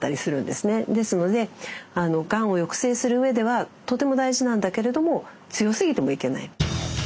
ですのでがんを抑制するうえではとても大事なんだけれども強すぎてもいけない。